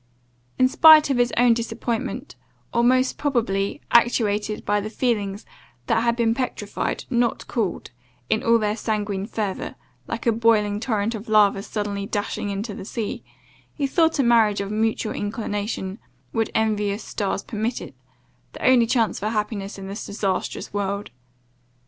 In spite of his own disappointment, or, most probably, actuated by the feelings that had been petrified, not cooled, in all their sanguine fervour, like a boiling torrent of lava suddenly dash ing into the sea, he thought a marriage of mutual inclination (would envious stars permit it) the only chance for happiness in this disastrous world.